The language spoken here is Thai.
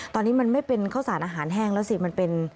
ตอนนี้มันไม่เป็นข้าวสารอาหารแห้งแล้วสิมันเป็น